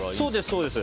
そうです。